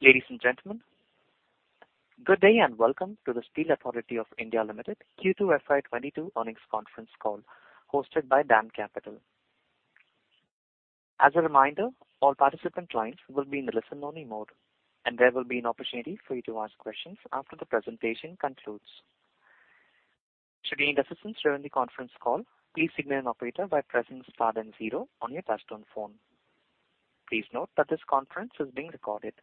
Ladies and gentlemen, good day and welcome to the Steel Authority of India Limited Q2 FY 2022 earnings conference call hosted by DAM Capital. As a reminder, all participant clients will be in the listen-only mode, and there will be an opportunity for you to ask questions after the presentation concludes. Should you need assistance during the conference call, please signal an operator by pressing star then zero on your touchtone phone. Please note that this conference is being recorded.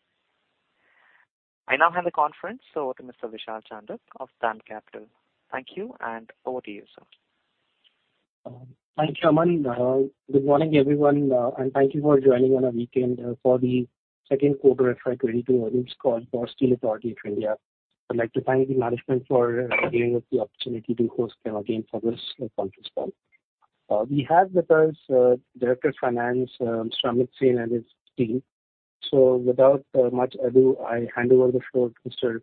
I now hand the conference over to Mr. Vishal Chandak of DAM Capital. Thank you, and over to you, sir. Thank you, Aman. Good morning, everyone, and thank you for joining on a weekend for the second quarter FY 2022 earnings call for Steel Authority of India. I'd like to thank the management for giving us the opportunity to host them again for this conference call. We have with us, Director of Finance, Mr. Amit Sen and his team. Without much ado, I hand over the floor to Mr.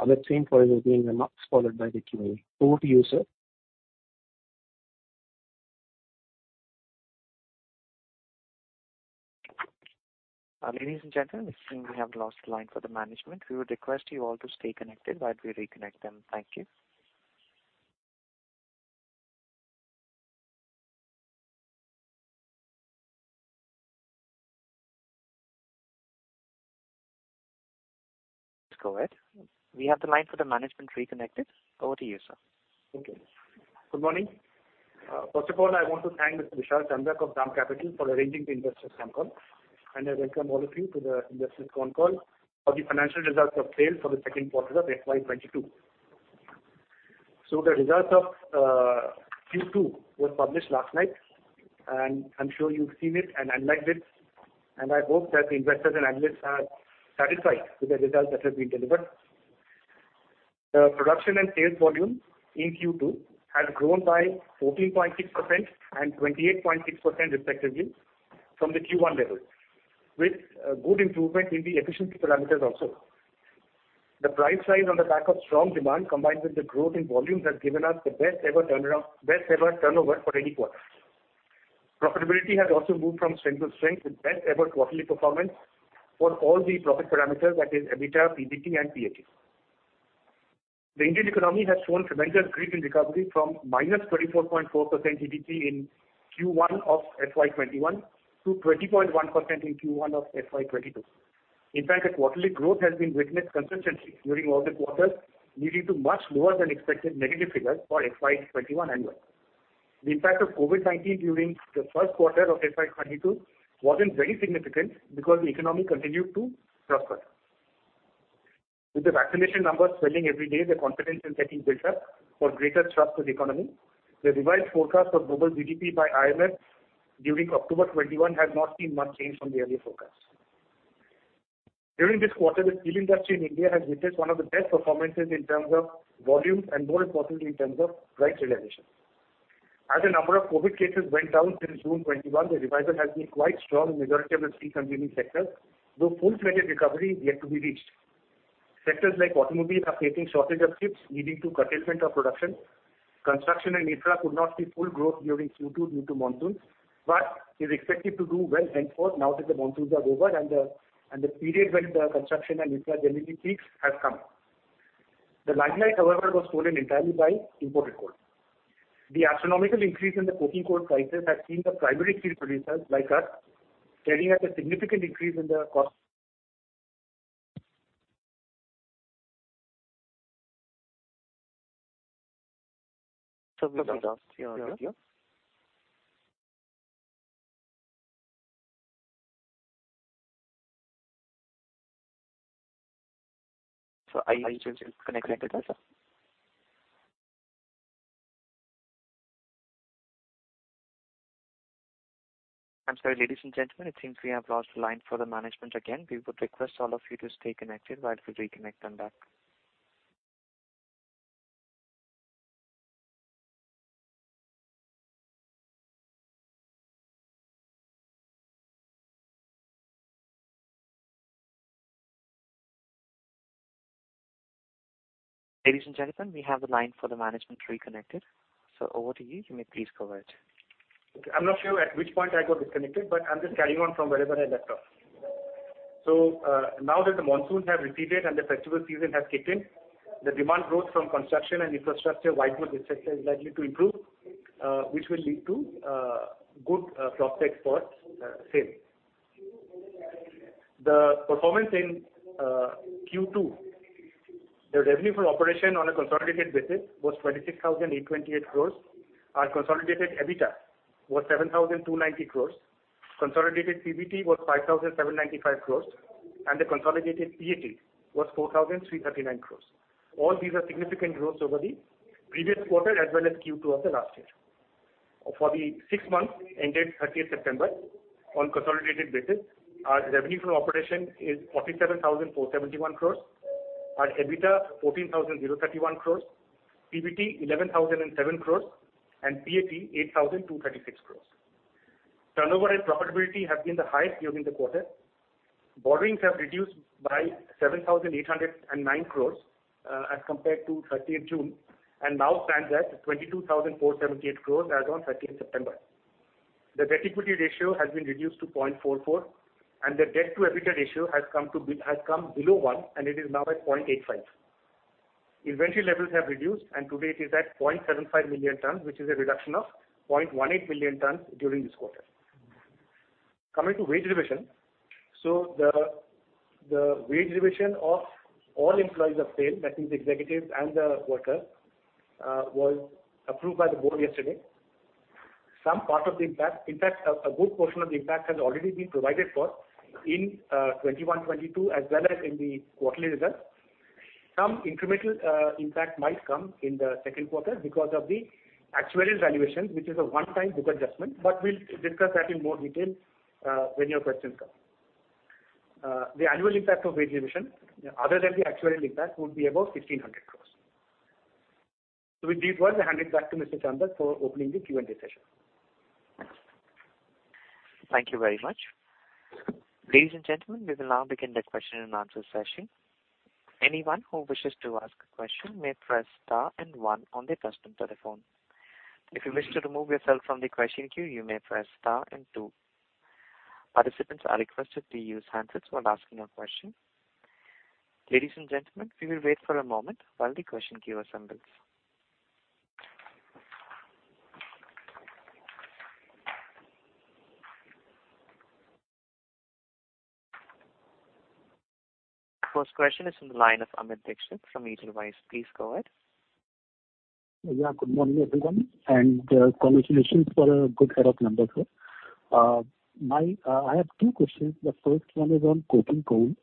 Amit Sen for his opening remarks, followed by the Q&A. Over to you, sir. Ladies and gentlemen, it seems we have lost the line for the management. We would request you all to stay connected while we reconnect them. Thank you. Please go ahead. We have the line for the management reconnected. Over to you, sir. Thank you. Good morning. First of all, I want to thank Mr. Vishal Chandak of DAM Capital for arranging the investors' conf call, and I welcome all of you to the investors' conf call for the financial results of SAIL for the second quarter of FY 2022. The results of Q2 were published last night, and I'm sure you've seen it and analyzed it, and I hope that the investors and analysts are satisfied with the results that have been delivered. The production and sales volume in Q2 has grown by 14.6% and 28.6% respectively from the Q1 level, with good improvement in the efficiency parameters also. The price rise on the back of strong demand, combined with the growth in volumes, has given us the best ever turnover for any quarter. Profitability has also moved from strength to strength with best ever quarterly performance for all the profit parameters, that is, EBITDA, PBT and PAT. The Indian economy has shown tremendous growth in recovery from -24.4% GDP in Q1 of FY 2021 to 20.1% in Q1 of FY 2022. In fact, the quarterly growth has been witnessed consistently during all the quarters, leading to much lower than expected negative figures for FY 2021 annual. The impact of COVID-19 during the first quarter of FY 2022 wasn't very significant because the economy continued to prosper. With the vaccination numbers swelling every day, the confidence is steadily built up for greater trust in the economy. The revised forecast of global GDP by IMF during October 2021 has not seen much change from the earlier forecast. During this quarter, the steel industry in India has witnessed one of the best performances in terms of volume and more importantly, in terms of price realization. As the number of COVID-19 cases went down since 21st June, the revival has been quite strong in major steel consuming sectors, though full-fledged recovery is yet to be reached. Sectors like automobile are facing shortage of chips, leading to curtailment of production. Construction and infra could not see full growth during Q2 due to monsoons, but is expected to do well henceforth now that the monsoons are over and the period when the construction and infra generally peaks has come. The limelight, however, was stolen entirely by imported coal. The astronomical increase in the coking coal prices has seen the primary steel producers like us carrying out a significant increase in the cost. I'm sorry, ladies and gentlemen. It seems we have lost the line for the management again. We would request all of you to stay connected while we reconnect them back. Ladies and gentlemen, we have the line for the management reconnected. Over to you. You may please go ahead. Okay. I'm not sure at which point I got disconnected, but I'm just carrying on from wherever I left off. Now that the monsoons have receded and the festival season has kicked in, the demand growth from construction and infrastructure, white goods, et cetera, is likely to improve, which will lead to good prospects for SAIL. The performance in Q2. The revenue from operations on a consolidated basis was 26,828 crore. Our consolidated EBITDA was 7,290 crore. Consolidated PBT was 5,795 crore, and the consolidated PAT was 4,339 crore. All these are significant growth over the previous quarter as well as Q2 of the last year. For the six months ended 30 September, on consolidated basis, our revenue from operations is 47,471 crore. Our EBITDA, 14,031 crores. PBT, 11,007 crores, and PAT, 8,236 crores. Turnover and profitability have been the highest during the quarter. Borrowings have reduced by 7,809 crores, as compared to 30th June, and now stands at 22,478 crores as on 13th September. The debt equity ratio has been reduced to 0.44, and the debt to EBITDA ratio has come below one, and it is now at 0.85. Inventory levels have reduced and today it is at 0.75 million tons, which is a reduction of 0.18 million tons during this quarter. Coming to wage revision. The wage revision of all employees of SAIL, that is executives and the workers, was approved by the board yesterday. Some part of the impact. In fact, a good portion of the impact has already been provided for in 2021, 2022 as well as in the quarterly results. Some incremental impact might come in the second quarter because of the actuarial valuation, which is a one-time book adjustment, but we'll discuss that in more detail when your questions come. The annual impact of wage revision, other than the actuarial impact, would be about 1,500 crores. With this one, I hand it back to Mr. Chandak for opening the Q&A session. Thank you very much. Ladies and gentlemen, we will now begin the question and answer session. Anyone who wishes to ask a question may press star and one on their touchtone telephone. If you wish to remove yourself from the question queue, you may press star and two. Participants are requested to use handsets while asking a question. Ladies and gentlemen, we will wait for a moment while the question queue assembles. First question is from the line of Amit Dixit from Edelweiss. Please go ahead. Yeah. Good morning, everyone, and congratulations for a good set of numbers here. I have two questions. The first one is on coking coal.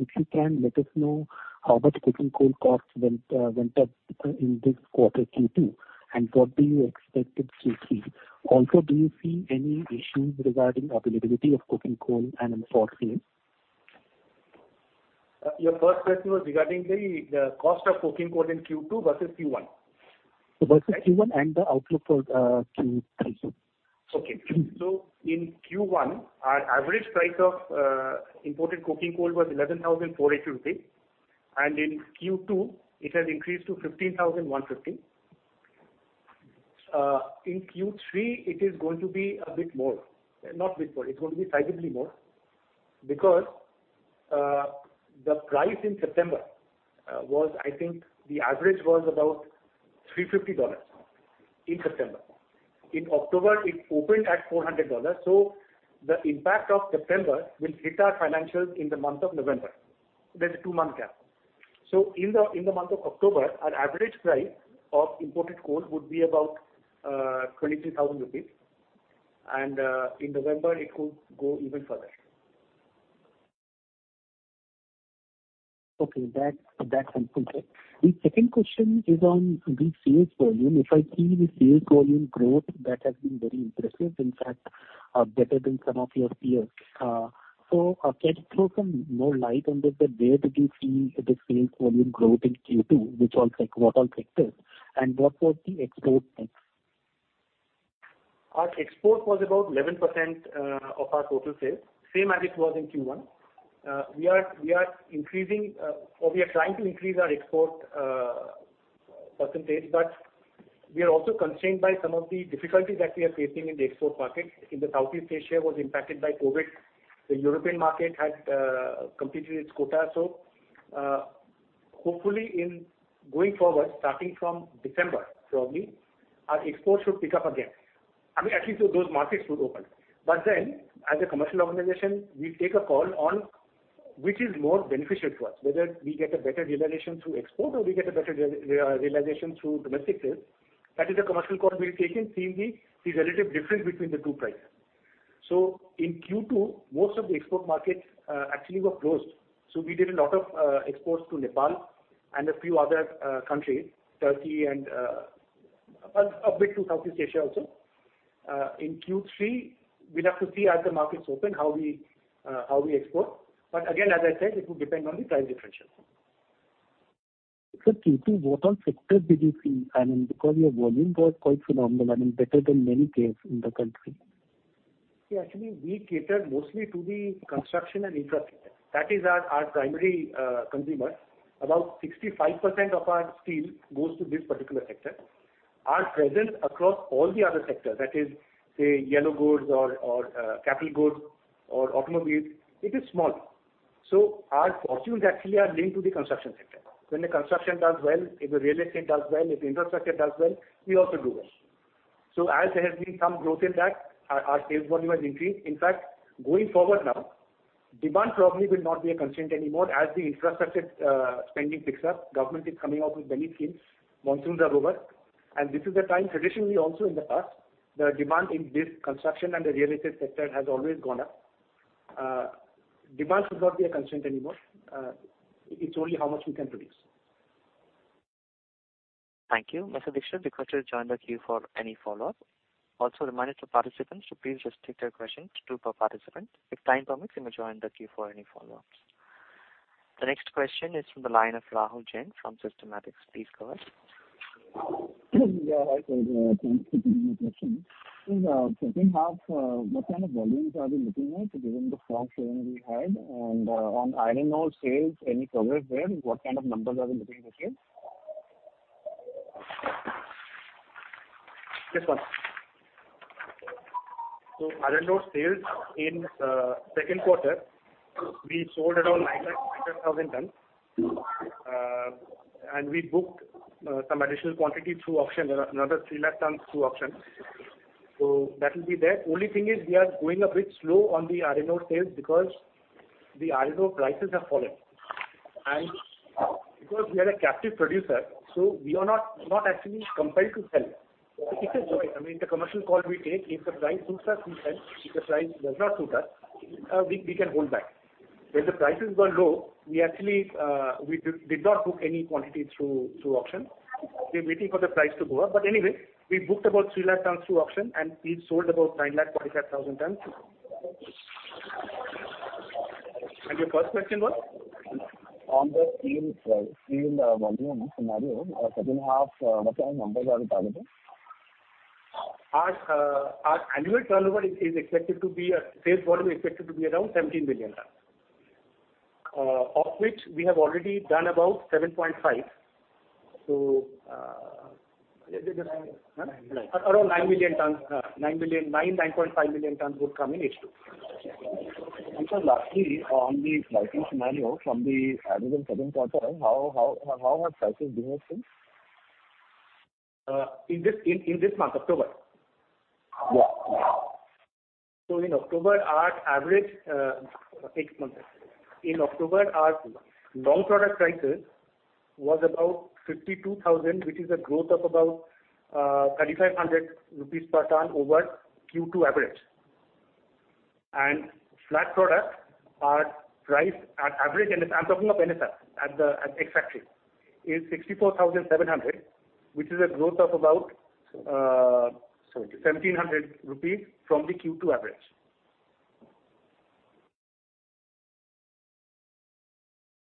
If you can let us know how much coking coal costs went up in this quarter Q2, and what do you expect in Q3? Also, do you see any issues regarding availability of coking coal and in fourth year? Your first question was regarding the cost of coking coal in Q2 versus Q1. Versus Q1 and the outlook for Q3. In Q1, our average price of imported coking coal was 11,480 rupees. In Q2, it has increased to 15,150. In Q3, it is going to be a bit more. Not a bit more, it's going to be sizably more because the price in September was, I think, the average was about $350 in September. In October, it opened at $400. The impact of September will hit our financials in the month of November. There's a two-month gap. In the month of October, our average price of imported coal would be about 23,000 rupees. In November, it could go even further. Okay. That's helpful. The second question is on the sales volume. If I see the sales volume growth, that has been very impressive, in fact, better than some of your peers. Can you throw some more light on this? Where did you see the sales volume growth in Q2? What all sectors? What was the export mix? Our export was about 11% of our total sales, same as it was in Q1. We are trying to increase our export percentage, but we are also constrained by some of the difficulties that we are facing in the export market. Southeast Asia was impacted by COVID. The European market had completed its quota. Hopefully going forward, starting from December probably, our exports should pick up again. I mean, at least those markets would open. As a commercial organization, we take a call on which is more beneficial to us, whether we get a better realization through export or we get a better realization through domestic sales. That is a commercial call we've taken, seeing the relative difference between the two prices. In Q2, most of the export markets actually were closed. We did a lot of exports to Nepal and a few other countries, Turkey and a bit to Southeast Asia also. In Q3, we'll have to see as the markets open, how we export. Again, as I said, it will depend on the price differentials. Q2, what all sectors did you see? I mean, because your volume was quite phenomenal. I mean, better than many peers in the country. See, actually, we cater mostly to the construction and infra sector. That is our primary consumer. About 65% of our steel goes to this particular sector. Our presence across all the other sectors, that is, say, yellow goods or capital goods or automobiles, is small. Our fortunes actually are linked to the construction sector. When the construction does well, if the real estate does well, if the infrastructure does well, we also do well. As there has been some growth in that, our sales volume has increased. In fact, going forward now, demand probably will not be a constraint anymore as the infrastructure spending picks up. Government is coming out with many schemes. Monsoons are over. This is the time traditionally also in the past, the demand in this construction and the real estate sector has always gone up. Demand should not be a constraint anymore. It's only how much we can produce. Thank you. Mr. Dixit, you're requested to join the queue for any follow-up. Also a reminder to participants to please restrict their questions to two per participant. If time permits, you may join the queue. The next question is from the line of Rahul Jain from Systematix. Please go ahead. Yeah, hi, sir. Thanks for taking my question. In the second half, what kind of volumes are we looking at, given the strong showing we had? On iron ore sales, any progress there? What kind of numbers are we looking at here? Yes, sir. Iron ore sales in second quarter, we sold around 9 lakh 9,000 tonnes. We booked some additional quantity through auction, another 3 lakh tonnes through auction. That will be there. Only thing is we are going a bit slow on the iron ore sales because the iron ore prices have fallen. Because we are a captive producer, so we are not actually compelled to sell. It is, I mean, the commercial call we take, if the price suits us, we sell. If the price does not suit us, we can hold back. When the prices were low, we actually did not book any quantity through auction. We're waiting for the price to go up. Anyway, we booked about 3 lakh tonnes through auction, and we've sold about 9 lakh 45,000 tonnes. Your first question was? On the steel volume scenario, second half, what kind of numbers are we targeting? Our annual sales volume is expected to be around 17 million tonnes, of which we have already done about 7.5. Around 9 million tonnes, 9.5 million tonnes would come in H2. Sir, lastly, on the pricing scenario from the, I mean, second quarter, how have prices behaved since? In this month, October? Yeah. Yeah. In October, our long product prices was about 52,000, which is a growth of about 3,500 rupees per tonne over Q2 average. Flat products are priced at average, and I'm talking of NSR at the ex-factory, is 64,700, which is a growth of about Seventeen. 1700 rupees from the Q2 average.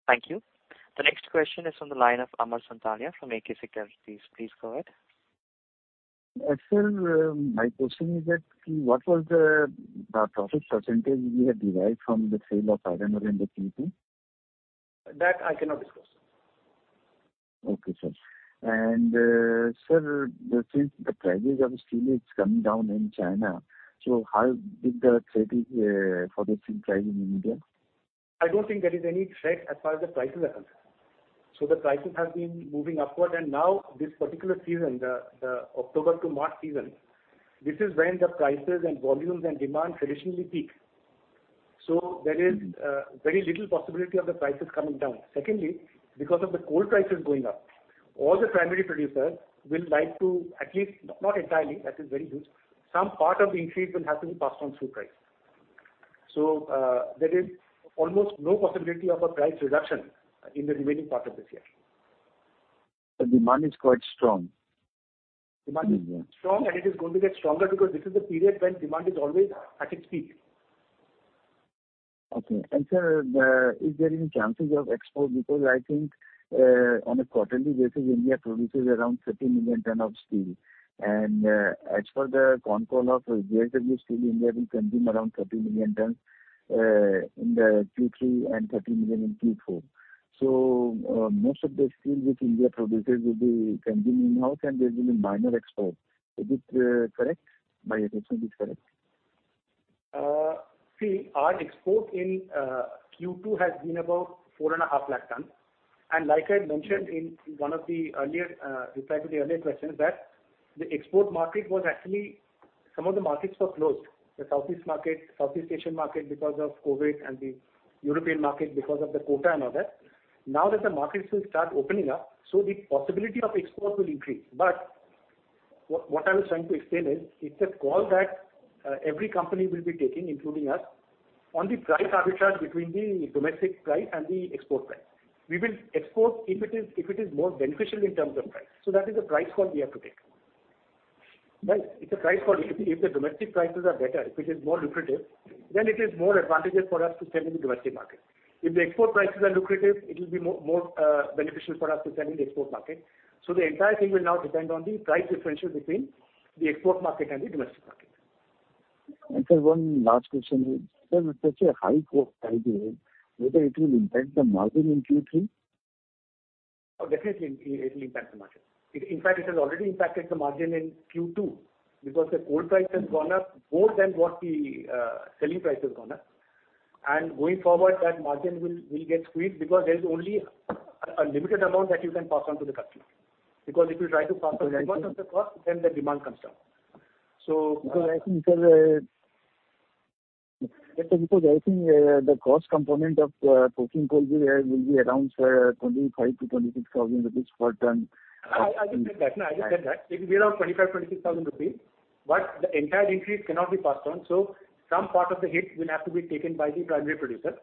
Thank you. The next question is from the line of Amar Santalia from AKS Capital. Please go ahead. Actually, my question is, what was the profit percentage we have derived from the sale of iron ore in Q2? That I cannot disclose. Okay, sir. Sir, the prices of steel is coming down in China. How is the threat for the steel price in India? I don't think there is any threat as far as the prices are concerned. The prices have been moving upward. Now this particular season, the October to March season, this is when the prices and volumes and demand traditionally peak. There is very little possibility of the prices coming down. Secondly, because of the coal prices going up, all the primary producers will like to at least, not entirely, that is very huge. Some part of the increase will have to be passed on through price. There is almost no possibility of a price reduction in the remaining part of this year. The demand is quite strong. Demand is strong, and it is going to get stronger because this is the period when demand is always at its peak. Okay. Sir, is there any chances of export? Because I think, on a quarterly basis, India produces around 13 million tonne of steel. As per the con call of JSW Steel, India will consume around 13 million tonnes in the Q3 and 13 million in Q4. Most of the steel which India produces will be consumed in-house and there will be minor export. Is it correct? My assumption is correct. See, our export in Q2 has been about 4.5 lakh tonne. Like I mentioned in one of the earlier reply to the earlier questions, that the export market was actually some of the markets were closed. The Southeast market, Southeast Asian market because of COVID and the European market because of the quota and all that. Now that the markets will start opening up, the possibility of export will increase. What I was trying to explain is, it's a call that every company will be taking, including us, on the price arbitrage between the domestic price and the export price. We will export if it is more beneficial in terms of price. That is the price call we have to take. Right? It's a price call. If the domestic prices are better, if it is more lucrative, then it is more advantageous for us to sell in the domestic market. If the export prices are lucrative, it will be more beneficial for us to sell in the export market. The entire thing will now depend on the price differential between the export market and the domestic market. Sir, one last question. Sir, with such a high cost price here, whether it will impact the margin in Q3? Oh, definitely it will impact the margin. In fact, it has already impacted the margin in Q2 because the coal price has gone up more than what the selling price has gone up. Going forward, that margin will get squeezed because there is only a limited amount that you can pass on to the customer. Because if you try to pass on the entire cost, then the demand comes down. Because I think, sir, the cost component of coking coal this year will be around, sir, INR 25,000-INR 26,000 per tonne. I just said that. No, I just said that. It will be around INR 25,000-INR 26,000. The entire increase cannot be passed on. Some part of the hit will have to be taken by the primary producer.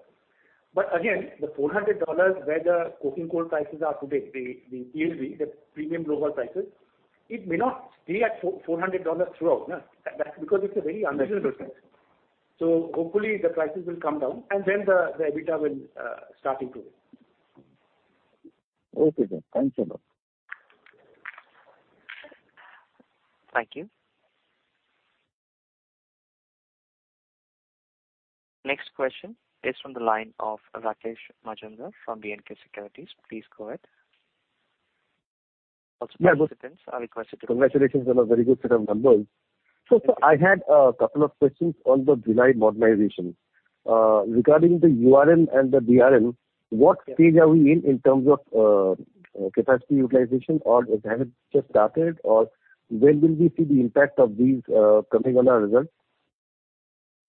Again, the $400 where the coking coal prices are today, the PLV, the Premium Low Vol prices, it may not stay at $400 throughout. That's because it's a very unreasonable price. Hopefully the prices will come down and then the EBITDA will start improving. Okay then. Thank you. Thank you. Next question is from the line of Rakesh Majumdar from DNK Securities. Please go ahead. Yeah. Also participants are requested to- Congratulations on a very good set of numbers. I had a couple of questions on the Bhilai modernization. Regarding the URM and the DRM, what stage are we in terms of capacity utilization or has it just started or when will we see the impact of these coming on our results?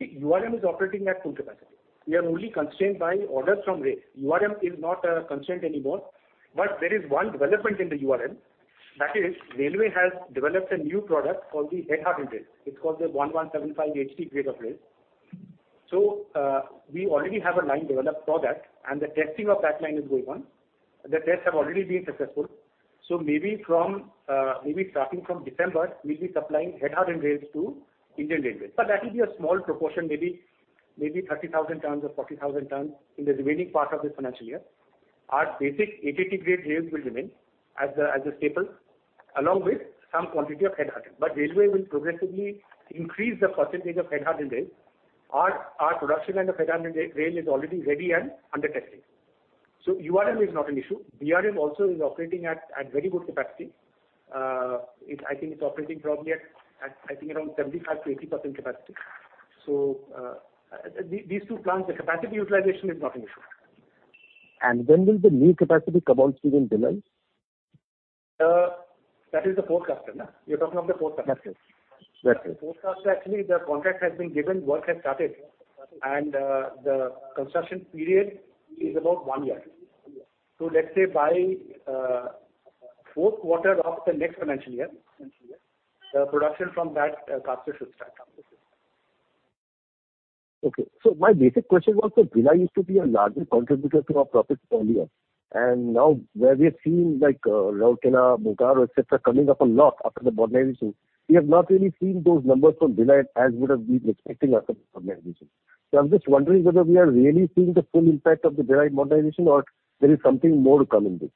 URM is operating at full capacity. We are only constrained by orders from rail. URM is not a constraint anymore. There is one development in the URM. That is railway has developed a new product called the head hardened rail. It's called the 1175 HT grade of rail. So, we already have a line developed for that, and the testing of that line is going on. The tests have already been successful. So maybe from maybe starting from December, we'll be supplying head hardened rails to Indian Railways. That will be a small proportion, maybe 30,000 tons or 40,000 tons in the remaining part of this financial year. Our basic 880 grade rails will remain as the staple along with some quantity of head hardened. Railway will progressively increase the percentage of head hardened rail. Our production line of head hardened rail is already ready and under testing. URM is not an issue. DRM also is operating at very good capacity. I think it's operating probably at around 75%-80% capacity. These two plants, the capacity utilization is not an issue. When will the new capacity come on stream in Bhilai? That is the fourth cluster. You're talking of the fourth cluster. That's it. Fourth cluster actually the contract has been given, work has started, and the construction period is about 1 year. Let's say by fourth quarter of the next financial year, the production from that cluster should start up. My basic question was that Bhilai used to be a larger contributor to our profits earlier, and now where we are seeing like, Rourkela, Bokaro, et cetera, coming up a lot after the modernization, we have not really seen those numbers from Bhilai as would have been expecting after the modernization. I'm just wondering whether we are really seeing the full impact of the Bhilai modernization or there is something more to come in this.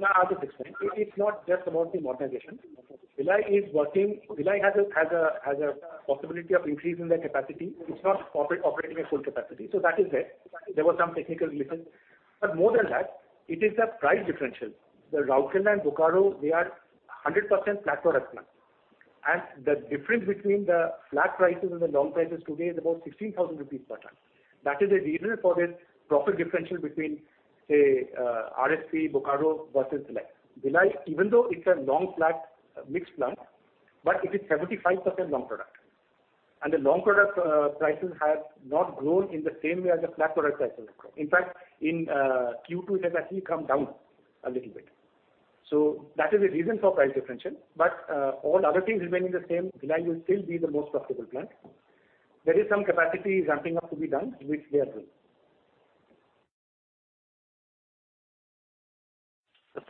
No, I'll just explain. It is not just about the modernization. Bhilai is working. Bhilai has a possibility of increasing their capacity. It's not operating at full capacity. That is there. There were some technical reasons. More than that, it is the price differential. The Rourkela and Bokaro, they are 100% flat products plant. The difference between the flat prices and the long prices today is about 16,000 rupees per ton. That is the reason for this profit differential between, say, RSP, Bokaro versus Bhilai. Bhilai, even though it's a long flat mixed plant, but it is 75% long product. The long product prices have not grown in the same way as the flat product prices have grown. In fact, in Q2, it has actually come down a little bit. That is the reason for price differential. All other things remaining the same, Bhilai will still be the most profitable plant. There is some capacity ramping up to be done, which they are doing.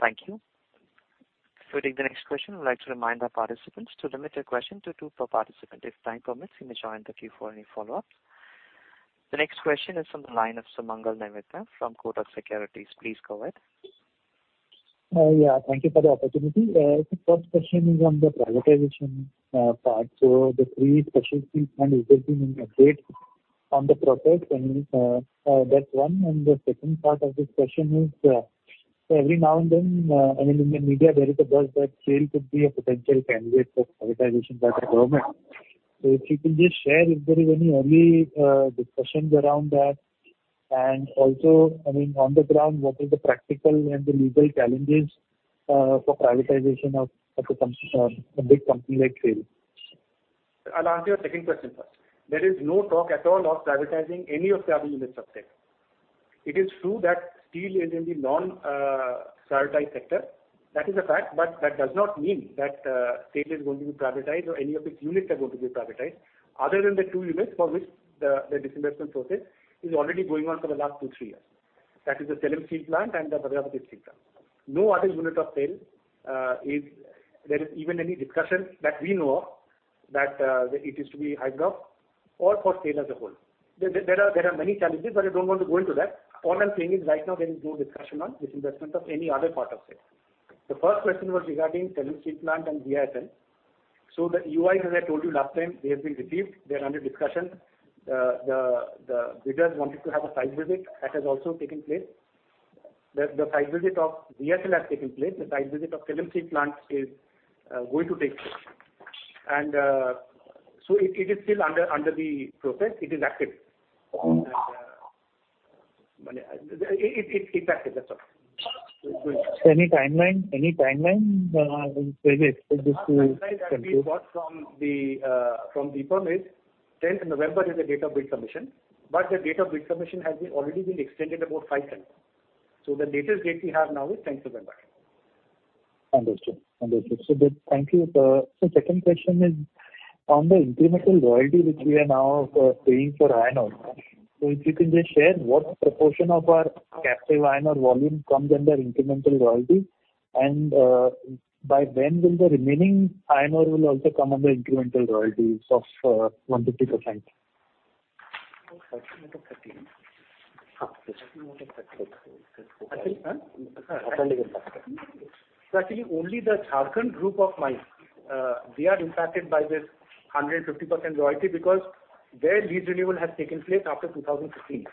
Thank you. Before I take the next question, I'd like to remind our participants to limit their question to two per participant. If time permits, you may join the queue for any follow-ups. The next question is from the line of Sumangal Naavit from Kotak Securities. Please go ahead. Yeah. Thank you for the opportunity. The first question is on the privatization part. The three specialty plant is going to be an upgrade on the process. That's one. The second part of this question is, so every now and then, I mean, in the media there is a buzz that SAIL could be a potential candidate for privatization by the government. If you can just share if there is any early discussions around that. Also, I mean, on the ground, what is the practical and the legal challenges for privatization of a company, a big company like SAIL? I'll answer your second question first. There is no talk at all of privatizing any of the other units of SAIL. It is true that steel is in the non-strategic sector. That is a fact. That does not mean that SAIL is going to be privatized or any of its units are going to be privatized other than the two units for which the disinvestment process is already going on for the last two, three years. That is the Salem Steel Plant and the Bhadravati Steel Plant. No other unit of SAIL is there even any discussion that we know of that it is to be hived off or for SAIL as a whole. There are many challenges, but I don't want to go into that. All I'm saying is right now there is no discussion on disinvestment of any other part of SAIL. The first question was regarding Salem Steel Plant and VISL. The EOI, as I told you last time, they have been received. They are under discussion. The bidders wanted to have a site visit. That has also taken place. The site visit of VISL has taken place. The site visit of Salem Steel Plant is going to take place. It is still under the process. It is active. That's all. Any timeline, in which this could complete? The timeline that we got from the firm is tenth November is the date of bid submission. The date of bid submission has already been extended about five times. The latest date we have now is tenth November. Understood. Thank you. Second question is on the incremental royalty which we are now paying for iron ore. If you can just share what proportion of our captive iron ore volume comes under incremental royalty, and by when will the remaining iron ore also come under incremental royalties of 150%. Actually, only the Jharkhand group of mines, they are impacted by this 150% royalty because their lease renewal has taken place after 2015.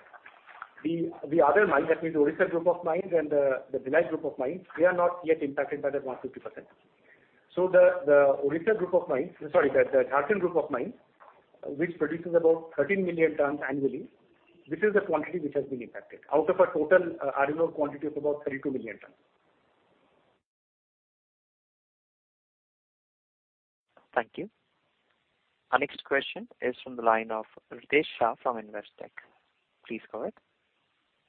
The other mine, that means Odisha group of mines and the Dalli group of mines, they are not yet impacted by the 150%. The Odisha group of mines, sorry, the Jharkhand group of mines, which produces about 13 million tons annually, this is the quantity which has been impacted out of a total iron ore quantity of about 32 million tons. Thank you. Our next question is from the line of Ritesh Shah from Investec. Please go ahead.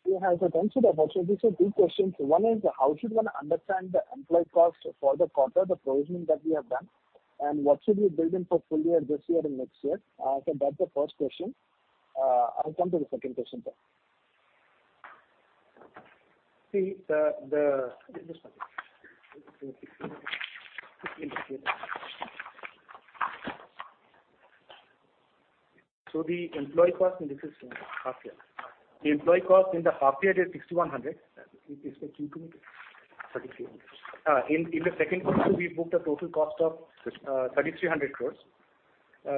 Yeah. Thanks for the opportunity, sir. Two questions. One is, how should one understand the employee cost for the quarter, the provisioning that we have done? What should we build in for full year, this year and next year? That's the first question. I'll come to the second question, sir. The employee cost in the half year is 6,100. It's for Q2. INR 3,300. In the second quarter, we booked a total cost of 3,300 crores.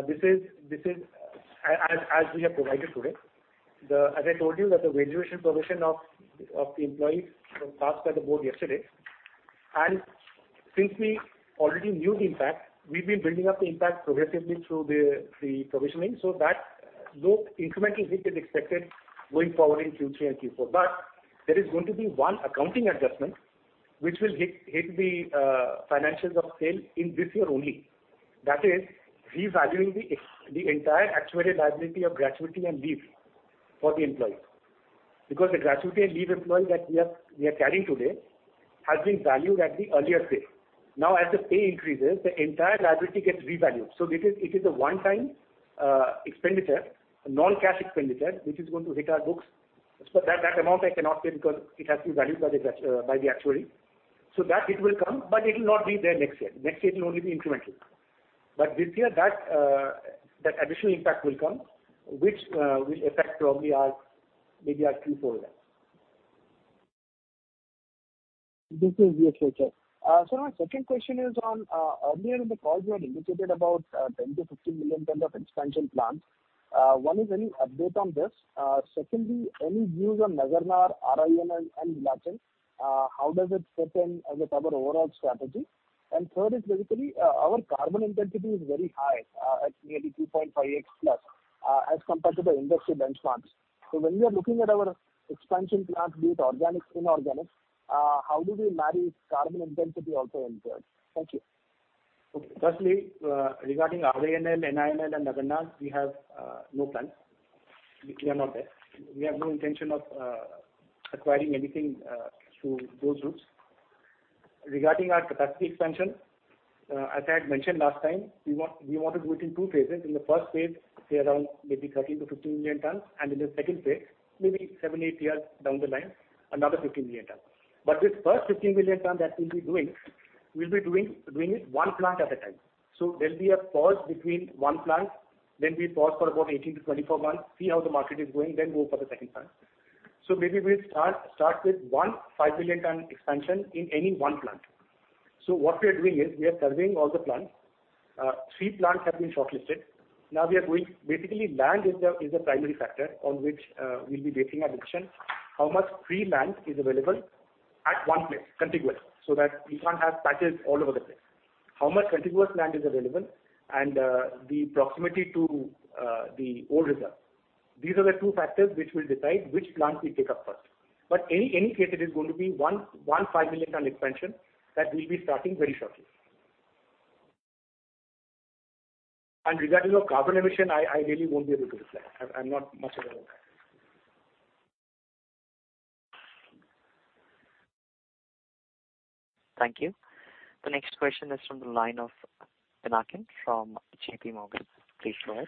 This is, as we have provided today. As I told you that the valuation provision of the employees was passed by the board yesterday. Since we already knew the impact, we've been building up the impact progressively through the provisioning, so that no incremental hit is expected going forward in Q3 and Q4. But there is going to be one accounting adjustment which will hit the financials of SAIL in this year only. That is revaluing the entire actuarial liability of gratuity and leave for the employee. Because the gratuity and leave employee that we are carrying today has been valued at the earlier pay. Now, as the pay increases, the entire liability gets revalued. It is a one-time expenditure, a non-cash expenditure which is going to hit our books. That amount I cannot say because it has to be valued by the actuary. That hit will come, but it will not be there next year. Next year, it will only be incremental. This year that additional impact will come, which will affect probably our, maybe our Q4 then. This is Ritesh Shah here. My second question is on earlier in the call you had indicated about 10-15 million tons of expansion plans. One, is any update on this? Secondly, any views on Nagarnar, RINL and Bhilai. How does it fit in with our overall strategy? Third is basically our carbon intensity is very high at nearly 2.5x+ as compared to the industry benchmarks. When we are looking at our expansion plans, be it organic, inorganic, how do we marry carbon intensity also in there? Thank you. Okay. Firstly, regarding RINL, NINL and Nagarnar, we have no plans. We are not there. We have no intention of acquiring anything through those routes. Regarding our capacity expansion, as I had mentioned last time, we want to do it in two phases. In the first phase, say around maybe 13-15 million tons, and in the second phase, maybe 7-8 years down the line, another 15 million tons. This first 15 million tons that we'll be doing, we'll be doing it one plant at a time. There'll be a pause between one plant, then we pause for about 18-24 months, see how the market is going, then go for the second plant. Maybe we'll start with 15 million ton expansion in any one plant. What we are doing is we are surveying all the plants. three plants have been shortlisted. Now, basically, land is the primary factor on which we'll be basing our decision. How much free land is available at one place, contiguous, so that we can't have patches all over the place. How much contiguous land is available and the proximity to the ore reserve. These are the two factors which will decide which plant we take up first. In any case, it is going to be a 1.15 million ton expansion that we'll be starting very shortly. Regarding your carbon emission, I really won't be able to reflect. I'm not much aware of that. Thank you. The next question is from the line of Pinakin from JP Morgan. Please go ahead.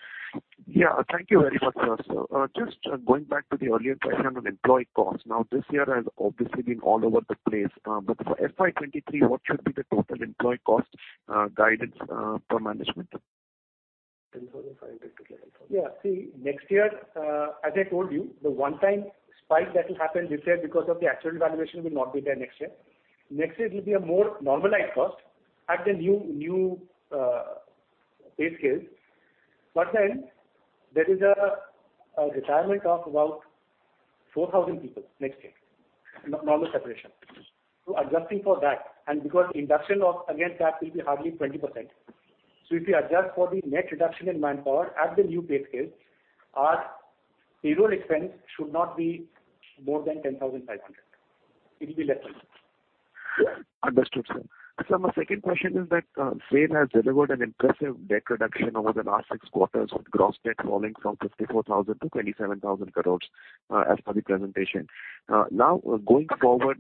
Thank you very much, sir. Just going back to the earlier question on employee cost. Now, this year has obviously been all over the place. For FY 2023, what should be the total employee cost guidance per management? INR 10,500-INR 11,000. Yeah. See, next year, as I told you, the one time spike that will happen this year because of the actual valuation will not be there next year. Next year, it will be a more normalized cost at the new pay scale. There is a retirement of about 4,000 people next year. Normal separation. Adjusting for that and because induction against that will be hardly 20%. If you adjust for the net reduction in manpower at the new pay scale, our payroll expense should not be more than 10,500. It will be less than. Understood, sir. Sir, my second question is that SAIL has delivered an impressive debt reduction over the last six quarters, with gross debt falling from 54,000 crore to 27,000 crore, as per the presentation. Now going forward,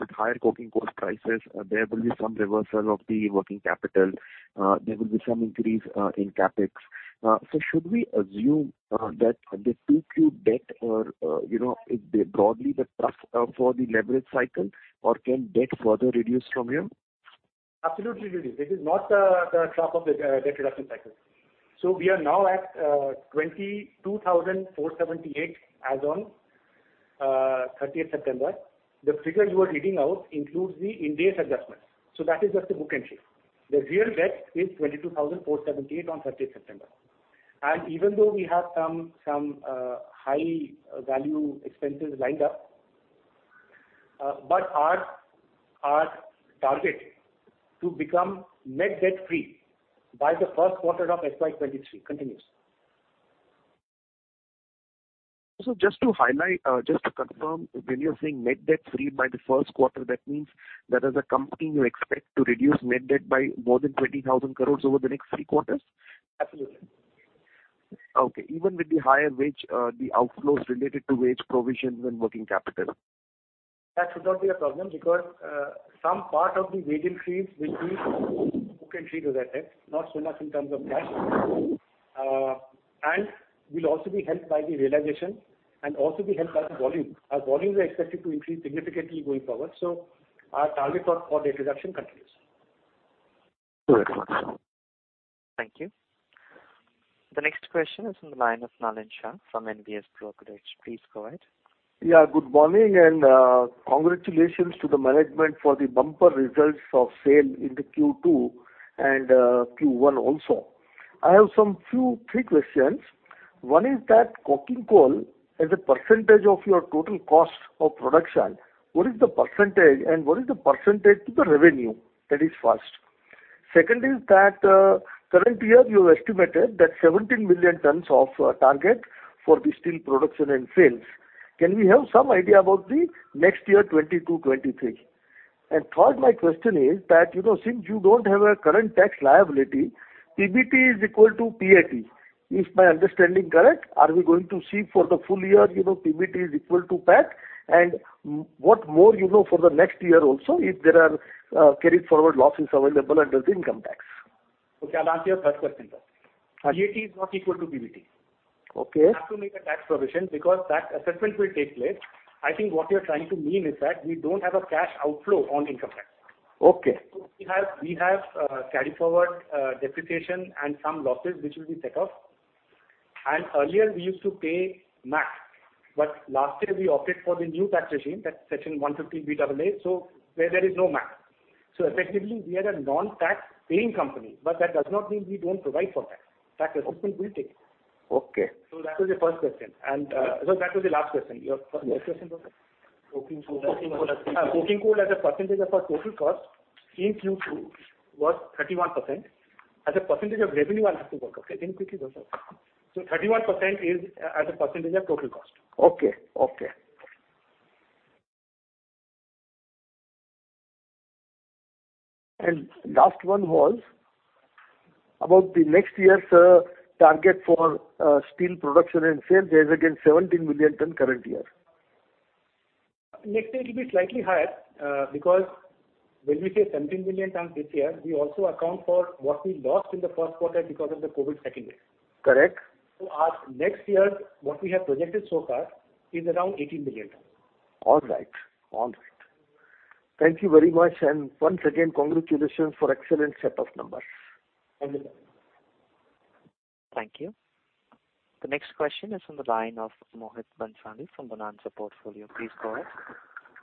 with higher coking coal prices, there will be some reversal of the working capital. There will be some increase in CapEx. Should we assume that the 2Q debt or, you know, is broadly the trough for the leverage cycle or can debt further reduce from here? Absolutely reduced. This is not the trough of the debt reduction cycle. We are now at 22,478 as on thirtieth September. The figures you are reading out includes the end-day adjustments. That is just the book entry. The real debt is 22,478 on thirtieth September. Even though we have some high value expenses lined up, but our target to become net debt free by the first quarter of FY 2023 continues. Just to highlight, just to confirm, when you're saying net debt free by the first quarter, that means that as a company you expect to reduce net debt by more than 20,000 crore over the next three quarters? Absolutely. Okay. Even with the higher wage, the outflows related to wage provisions and working capital. That should not be a problem because some part of the wage increase will be book entry to that end, not so much in terms of cash. We'll also be helped by the realization and also be helped by the volume. Our volumes are expected to increase significantly going forward. Our target for debt reduction continues. Very clear. Thank you. The next question is from the line of Nalin Shah from MBS Brokerage. Please go ahead. Yeah, good morning and congratulations to the management for the bumper results of SAIL in the Q2 and Q1 also. I have three questions. One is that coking coal as a percentage of your total cost of production, what is the percentage and what is the percentage to the revenue? That is first. Second is that current year you have estimated that 17 million tons target for the steel production and sales. Can we have some idea about the next year, 2022-2023? Third, my question is that you know since you don't have a current tax liability, PBT is equal to PAT. Is my understanding correct? Are we going to see for the full year you know PBT is equal to PAT? What more, you know, for the next year also if there are carry forward losses available under the income tax? Okay, I'll answer your first question first. Okay. PAT is not equal to PBT. Okay. We have to make a tax provision because that assessment will take place. I think what you're trying to mean is that we don't have a cash outflow on income tax. Okay. We have carry forward depreciation and some losses which will be set off. Earlier we used to pay MAT, but last year we opted for the new tax regime, that's Section 115BAA, so where there is no MAT. Effectively we are a non-tax paying company, but that does not mean we don't provide for tax. Tax assessment will take place. Okay. That was the first question. Sorry, that was the last question. Your first question was what? Coking coal. Coking coal as a percentage of our total cost in Q2 was 31%. As a percentage of revenue I'll have to work out. I didn't quickly work out. 31% is as a percentage of total cost. Okay. Last one was about the next year's target for steel production and sales. There is again 17 million tons current year. Next year it'll be slightly higher, because when we say 17 million tons this year, we also account for what we lost in the first quarter because of the COVID-19 second wave. Correct. Our next year, what we have projected so far is around 18 million tons. All right. Thank you very much. Once again, congratulations for excellent set of numbers. Thank you. Thank you. The next question is from the line of Mohit Bansal from Bonanza Portfolio. Please go ahead.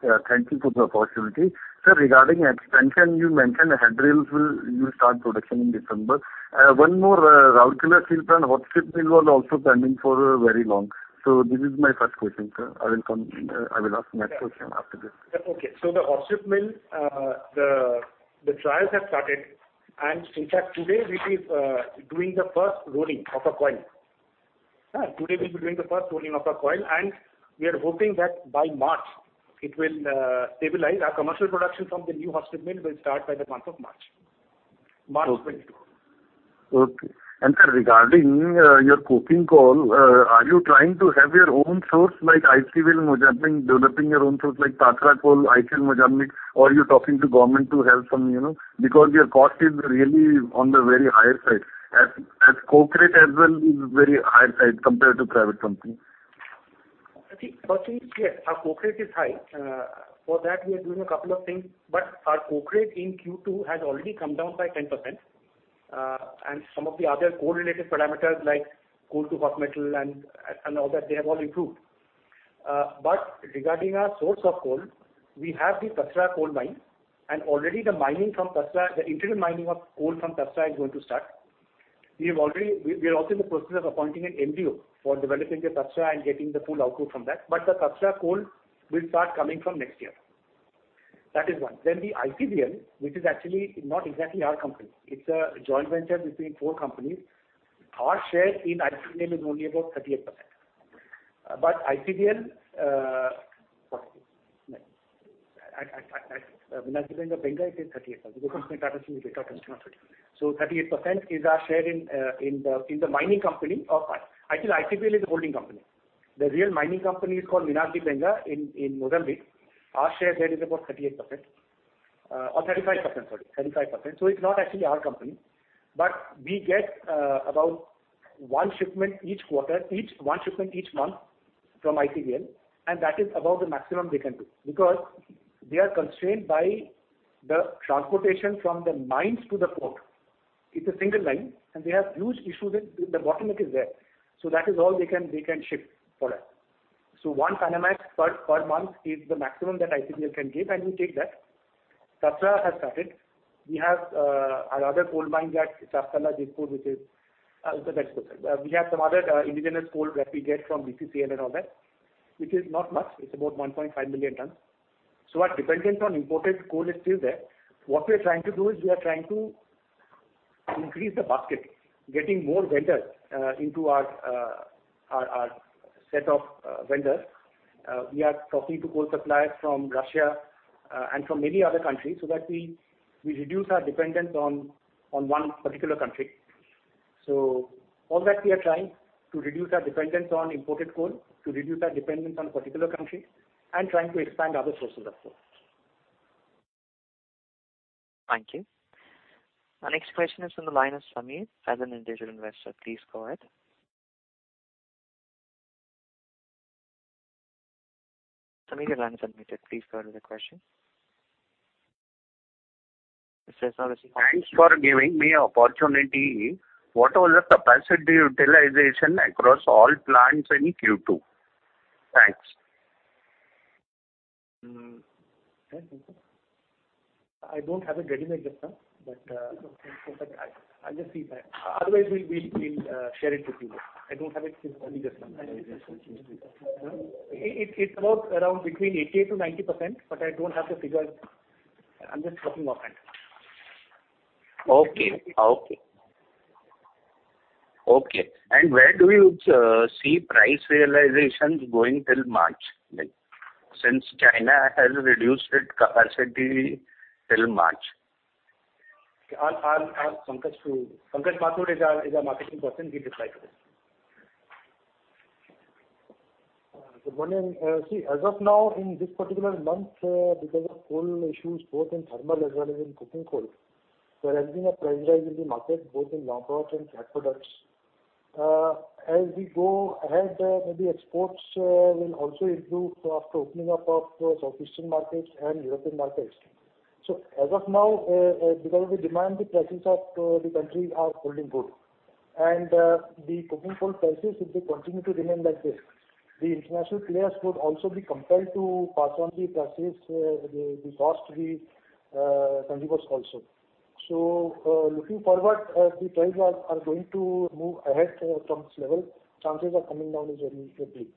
Yeah, thank you for the opportunity. Sir, regarding expansion, you mentioned the head hardened rails will start production in December. One more, Rourkela Steel Plant, hot strip mill was also pending for very long. This is my first question, sir. I will come, I will ask next question after this. The hot strip mill trials have started. In fact, today we are doing the first rolling of a coil, and we are hoping that by March it will stabilize. Our commercial production from the new hot strip mill will start by the month of March 2022. Sir, regarding your coking coal, are you trying to have your own source like ICVL Mozambique developing your own source like Tasra coal, ICVL Mozambique, or you're talking to government to help some, you know? Because your cost is really on the very high side. As coke rate as well is very high side compared to private companies. See, first thing is clear, our coke rate is high. For that we are doing a couple of things, but our coke rate in Q2 has already come down by 10%. Some of the other coal related parameters like coal to hot metal and all that, they have all improved. Regarding our source of coal, we have the Tasra coal mine, and already the mining from Tasra, the initial mining of coal from Tasra is going to start. We are also in the process of appointing an MDO for developing the Tasra and getting the full output from that. The Tasra coal will start coming from next year. That is one. Then the ICVL, which is actually not exactly our company. It's a joint venture between four companies. Our share in ICVL is only about 38%. ICVL at Minas de Benga, it is 38%. Because 15% is BHP. So 38% is our share in the mining company. Actually, ICVL is the holding company. The real mining company is called Minas de Benga in Mozambique. Our share there is about 38%. Or 35%, sorry. 35%. So it's not actually our company. We get about one shipment each month from ICVL, and that is about the maximum they can do. Because they are constrained by the transportation from the mines to the port. It's a single line, and they have huge issues with the bottleneck there. So that is all they can ship product. So one Panamax per month is the maximum that ICVL can give, and we take that. Satna has started. We have our other coal mine that Satna, Tisko, which is, it's a best coaster. We have some other indigenous coal that we get from BCCL and all that, which is not much. It's about 1.5 million tons. Our dependence on imported coal is still there. What we're trying to do is we are trying to increase the basket, getting more vendors into our set of vendors. We are talking to coal suppliers from Russia and from many other countries so that we reduce our dependence on one particular country. All that we are trying to reduce our dependence on imported coal, to reduce our dependence on particular country and trying to expand other sources of coal. Thank you. Our next question is from the line of Sameer. As an individual investor, please go ahead. Sameer, your line is unmuted. Please go ahead with your question. Thanks for giving me the opportunity. What was the capacity utilization across all plants in Q2? Thanks. I don't have it ready right just now, but otherwise we'll share it with you. I don't have it with me just now. It's about around between 80%-90%, but I don't have the figures. I'm just talking offhand. Okay. Where do you see price realizations going till March? Like, since China has reduced its capacity till March. I'll ask Pankaj to... Pankaj Mathur is our marketing person. He'll reply to this. Good morning. See, as of now, in this particular month, because of coal issues both in thermal as well as in coking coal, there has been a price rise in the market, both in long products and flat products. As we go ahead, maybe exports will also improve after opening up of southeastern markets and European markets. As of now, because of the demand, the prices of the company are holding good. The coking coal prices, if they continue to remain like this, the international players could also be compelled to pass on the price, the cost to the consumers also. Looking forward, the prices are going to move ahead from this level. Chances of coming down is very, very weak.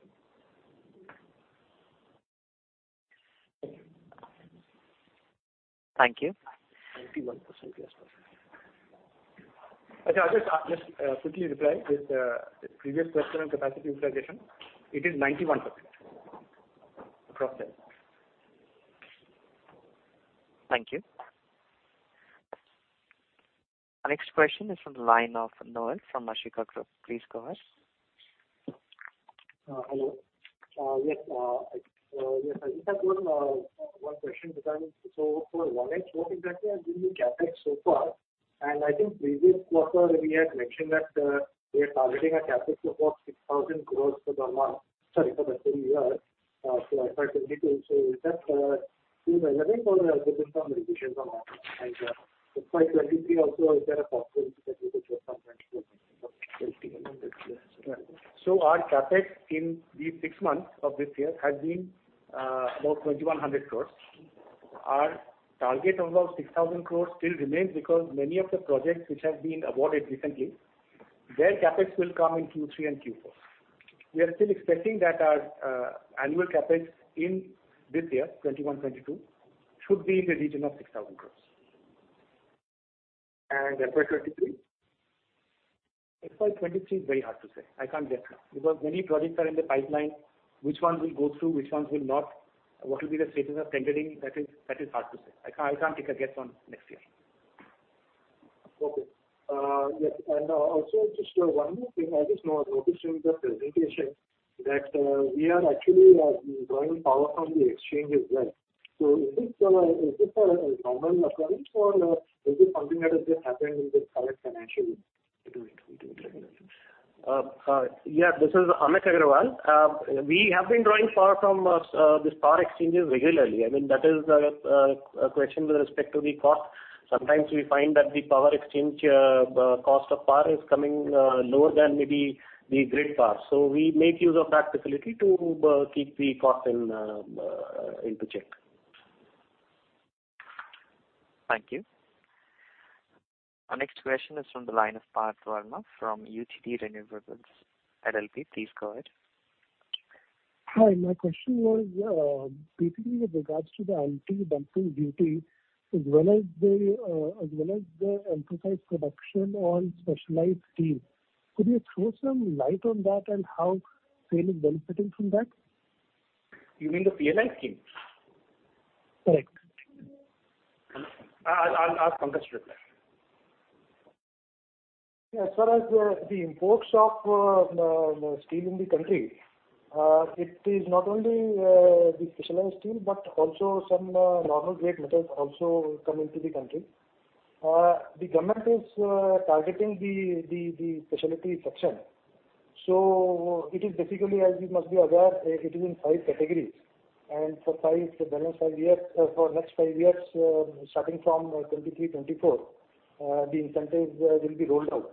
Thank you. 91% as per. I'll just quickly reply with the previous question on capacity utilization. It is 91% across them. Thank you. Our next question is from the line of Noel from Ashika Group. Please go ahead. Hello. Yes, yes, I think I have one question regarding. For one, what exactly has been the CapEx so far? I think previous quarter we had mentioned that we are targeting a CapEx of about 6,000 crores for the month, sorry, for the full year. If I could need to say, is that still relevant or there have been some revisions or not? For FY 2023 also, is there a possibility that you could give some guidance for Our CapEx in the six months of this year has been about 2,100 crores. Our target of about 6,000 crores still remains because many of the projects which have been awarded recently, their CapEx will come in Q3 and Q4. We are still expecting that our annual CapEx in this year, 2021-22, should be in the region of 6,000 crores. FY 2023? FY 2023 is very hard to say. I can't guess now. Because many projects are in the pipeline. Which one will go through? Which ones will not? What will be the status of tendering? That is hard to say. I can't take a guess on next year. Okay. Yes, and also just one more thing. I just noticed in the presentation that we are actually drawing power from the exchanges as well. Is this a normal occurrence or is it something that has just happened in this current financial year? Yeah, this is Amit Agarwal. We have been drawing power from these power exchanges regularly. I mean, that is a question with respect to the cost. Sometimes we find that the power exchange cost of power is coming lower than maybe the grid power. We make use of that facility to keep the cost in check. Thank you. Our next question is from the line of Parth Varma from UTD Renewables LLP. Please go ahead. Hi. My question was, basically with regards to the anti-dumping duty as well as the incentivized production on specialized steel. Could you throw some light on that and how SAIL is benefiting from that? You mean the PLI scheme? Correct. I'll ask Pankaj to reply. As far as the imports of steel in the country, it is not only the specialized steel, but also some normal grade metals also come into the country. The government is targeting the specialty section. It is basically, as you must be aware, it is in five categories. For the next five years starting from 2023-2024, the incentives will be rolled out.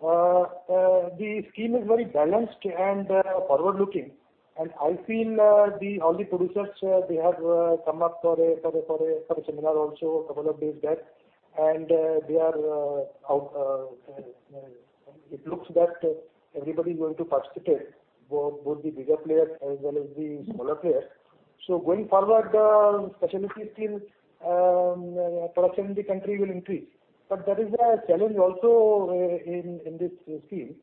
The scheme is very balanced and forward-looking, and I feel all the producers they have come up for a seminar also a couple of days back, and they are out. It looks that everybody is going to participate, both the bigger players as well as the smaller players. Going forward, specialty steel production in the country will increase. There is a challenge also in this scheme,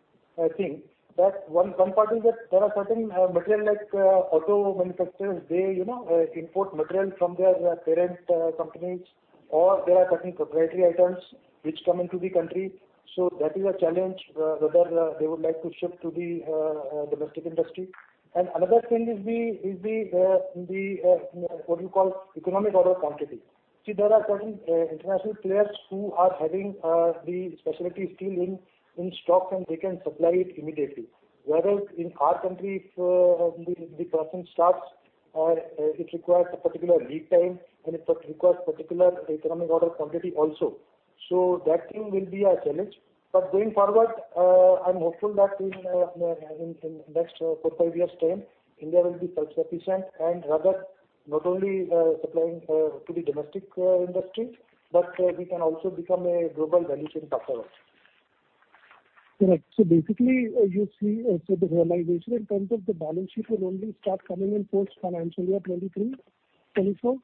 I think, that one part is that there are certain material like auto manufacturers, they you know import material from their parent companies or there are certain proprietary items which come into the country. That is a challenge whether they would like to shift to the domestic industry. Another thing is the what you call economic order quantity. See, there are certain international players who are having the specialty steel in stock, and they can supply it immediately. Whereas in our country, if the process starts, it requires a particular lead time and it requires particular economic order quantity also. That thing will be a challenge. Going forward, I'm hopeful that in next 4-5 years' time, India will be self-sufficient and rather not only supplying to the domestic industry, but we can also become a global value chain partner also. Correct. Basically, you see, so the realization in terms of the balance sheet will only start coming in post financial year 2023, 2024?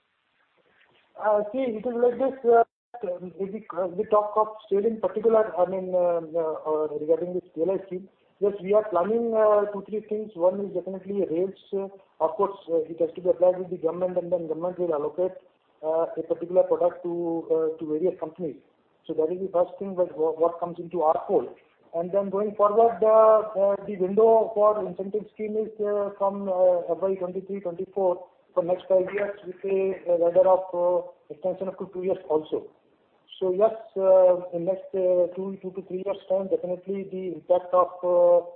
See, it is like this. If we talk of steel in particular, I mean, regarding this PLI scheme, yes, we are planning two, three things. One is definitely rails. Of course, it has to be applied with the government and then government will allocate a particular product to various companies. That is the first thing that what comes into our fold. Then going forward, the window for incentive scheme is from April 2023-2024 for the next five years with a leeway of extension up to two years also. Yes, in the next 2-3 years' time, definitely the impact of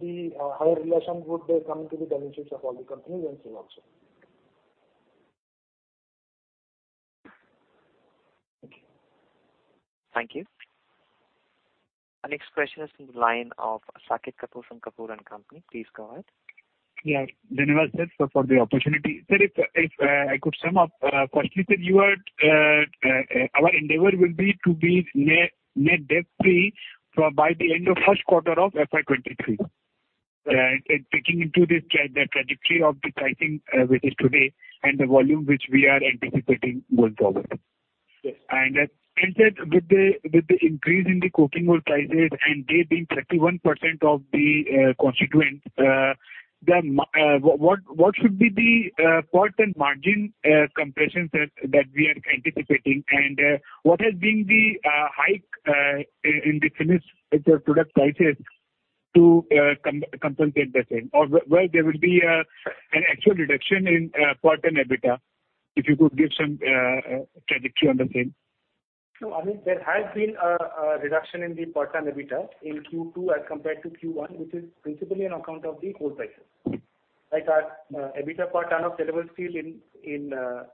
the higher realization would be coming to the balance sheets of all the companies and things also. Thank you. Thank you. Our next question is in the line of Saket Kapoor from Kapoor & Company. Please go ahead. Yeah. Thank you for the opportunity. Sir, if I could sum up, firstly, sir, our endeavor will be to be net debt free by the end of first quarter of FY 2023. Yes. Taking into this trajectory of the pricing, which is today and the volume which we are anticipating going forward. Yes. Sir, with the increase in the coking coal prices and they being 31% of the cost, what should be the profit margin compression that we are anticipating? What has been the hike in the finished product prices to compensate the same? Or will there be an actual reduction in profit and EBITDA? If you could give some trajectory on the same. No, I mean, there has been a reduction in the profit and EBITDA in Q2 as compared to Q1, which is principally on account of the coal prices. Like our EBITDA per ton of deliverable steel in the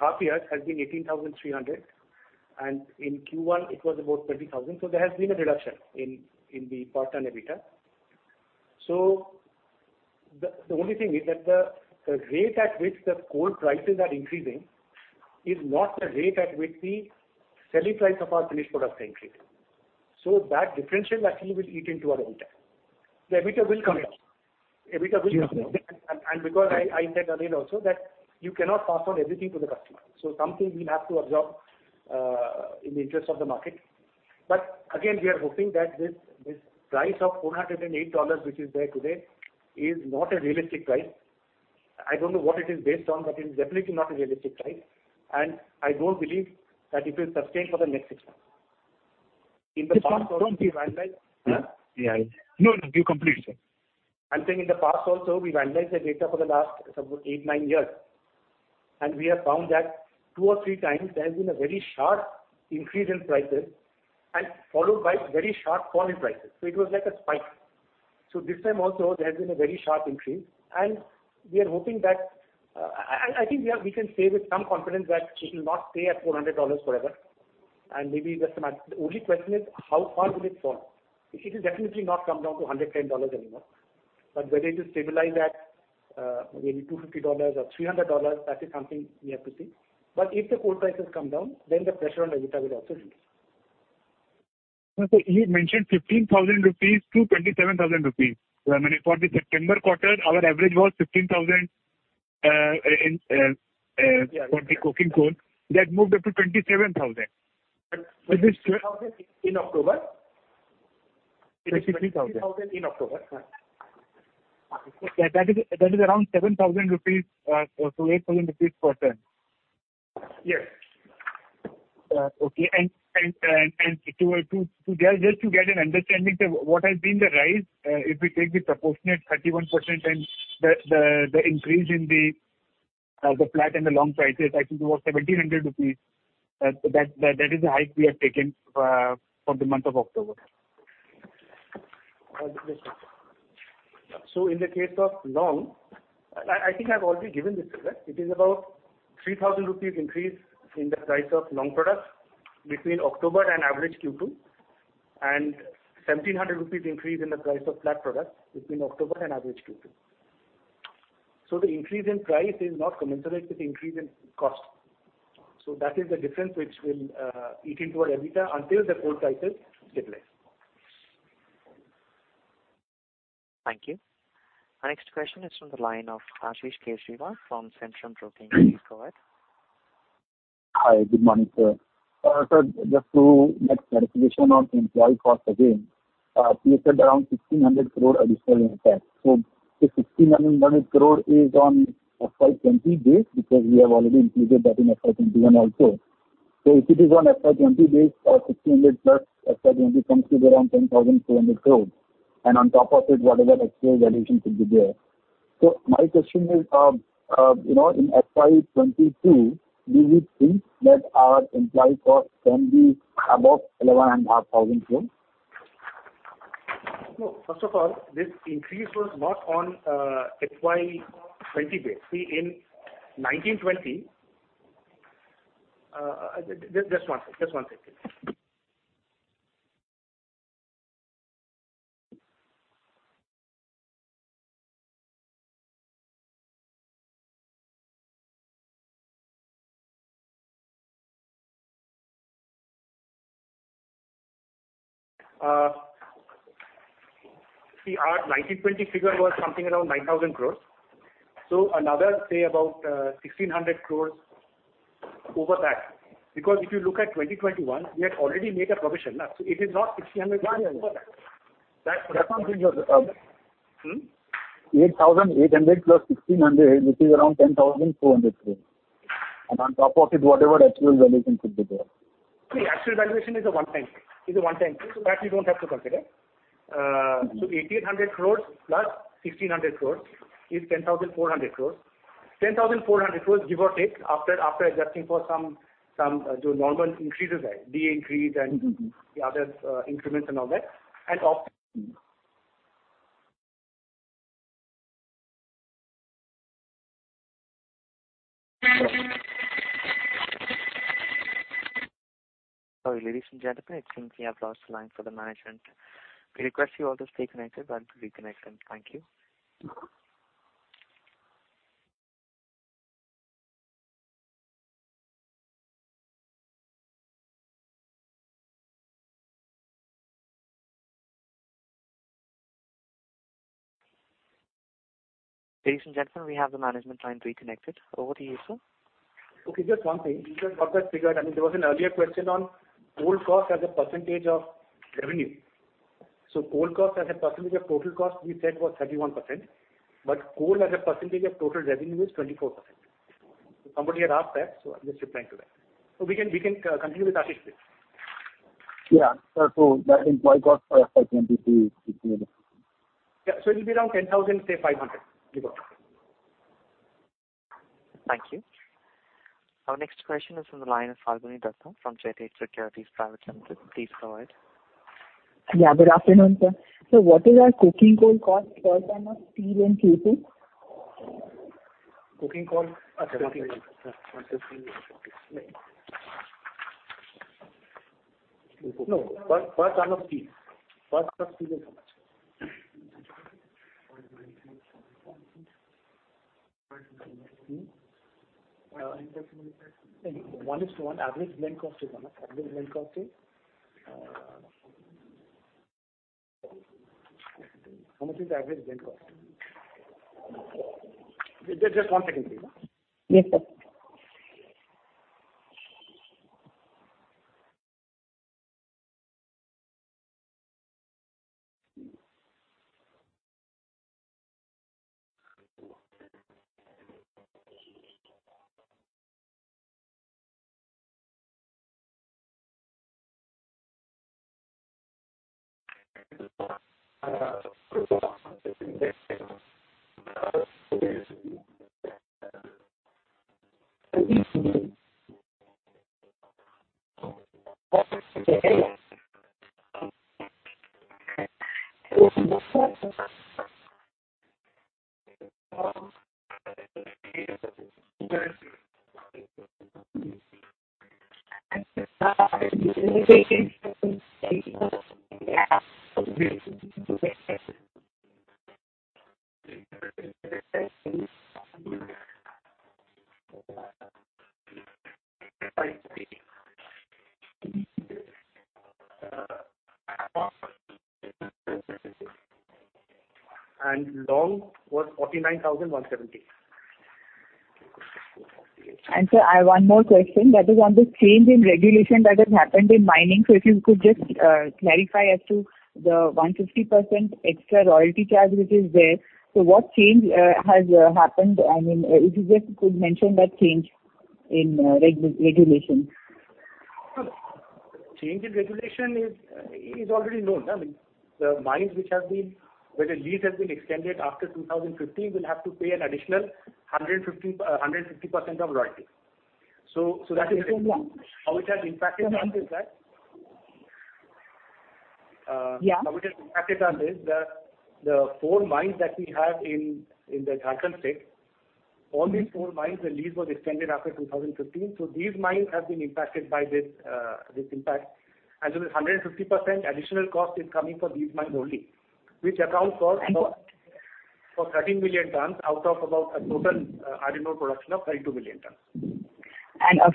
half year has been 18,300, and in Q1 it was about 20,000. So there has been a reduction in the profit and EBITDA. So the only thing is that the rate at which the coal prices are increasing is not the rate at which the selling price of our finished products are increasing. So that differential actually will eat into our EBITDA. The EBITDA will come down. Yes. EBITDA will come down. Because I said again also that you cannot pass on everything to the customer. Something we'll have to absorb in the interest of the market. Again, we are hoping that this price of $408 which is there today is not a realistic price. I don't know what it is based on, but it's definitely not a realistic price. I don't believe that it will sustain for the next six months. In the past also we've analyzed. Yeah. No, no. You complete, sir. I'm saying in the past also, we've analyzed the data for the last, suppose, eight, nine years, and we have found that 2 or 3x there has been a very sharp increase in prices and followed by very sharp fall in prices. It was like a spike. This time also there has been a very sharp increase, and we are hoping that I think we can say with some confidence that it will not stay at $400 forever, and maybe the same. The only question is, how far will it fall? It will definitely not come down to $110 anymore. Whether it will stabilize at, maybe $250 or $300, that is something we have to see. If the coal prices come down, then the pressure on EBITDA will also reduce. You mentioned 15,000-27,000 rupees. Yeah. I mean, for the September quarter, our average was 15,000 Uh, in, uh Yeah. For the coking coal, that moved up to 27,000. Is this correct? In October? 23,000. In October. That is around 7,000 rupees or so 8,000 rupees per ton. Yes. Okay. Just to get an understanding to what has been the rise, if we take the proportionate 31% and the increase in the flat and the long prices, I think it was 1,700 rupees. That is the hike we have taken for the month of October. In the case of long, I think I've already given this figure. It is about 3,000 rupees increase in the price of long product between October and average Q2, and 1,700 rupees increase in the price of flat product between October and average Q2. The increase in price is not commensurate with the increase in cost. That is the difference which will eat into our EBITDA until the coal prices stabilize. Thank you. Our next question is from the line of Ashish Kejriwal from Centurion Broking. Please go ahead. Hi. Good morning, sir. Sir, just to get clarification on employee cost again, you said around 1,600 crore additional impact. The sixteen hundred crore is on FY 2020 base, because we have already included that in FY 2021 also. If it is on FY 2020 base or 1,600 plus, FY 2020 comes to around 10,400 crore. On top of it, whatever actual valuation should be there. My question is, you know, in FY 2022, do you think that our employee cost can be above 11,500 crore? No. First of all, this increase was not on FY 2020 base. Just one second. See, our 2019-20 figure was something around 9,000 crore. Another, say, about, 1,600 crore over that. Because if you look at 2021, we had already made a provision. It is not 1,600 Yeah, yeah. That's what I'm saying, sir. Hmm? 8,800 + 1,600, which is around 10,400 crore. On top of it, whatever actual valuation should be there. See, actual valuation is a one-time thing. That you don't have to consider. Mm-hmm. 1,800 crore plus 1,600 crore is 10,400 crore. 10,400 crore, give or take, after adjusting for some the normal increases, right? DA increase and Mm-hmm. The other increments and all that. Sorry, ladies and gentlemen, it seems we have lost line for the management. We request you all to stay connected while we reconnect them. Thank you. Ladies and gentlemen, we have the management line reconnected. Over to you, sir. Okay, just one thing. Just on that figure, I mean, there was an earlier question on coal cost as a percentage of revenue. Coal cost as a percentage of total cost we said was 31%, but coal as a percentage of total revenue is 24%. Somebody had asked that, so I'm just replying to that. We can continue with Ashish, please. That employee cost for FY 2022 would be how much? Yeah. It'll be around 10,000, say, 500, give or take. Thank you. Our next question is from the line of Falguni Das from JetEdge Securities Private Limited. Please go ahead. Yeah, good afternoon, sir. What is our coking coal cost per ton of steel in Q2? Coking coal. No. Per ton of steel. Per ton of steel is how much? One to one. Average blend cost is what? Average blend cost is. How much is the average blend cost? Just one second, please. Yes, sir. Long was 49,170. Sir, I have one more question. That is on the change in regulation that has happened in mining. If you could just clarify as to the 150% extra royalty charge which is there. What change has happened? I mean, if you just could mention that change in regulation. Change in regulation is already known. I mean, the mines where the lease has been extended after 2015 will have to pay an additional 150% of royalty. So that is Okay. How it has impacted us is that. Yeah. How it has impacted us is that the four mines that we have in the Jharkhand state, all these four mines, the lease was extended after 2015. These mines have been impacted by this impact. This 150% additional cost is coming for these mines only, which accounts for And what- For 13 million tons out of about a total iron ore production of 32 million tons.